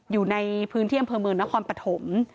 อยู่ในพื้นเที่ยงเผิมเมินนครปฐม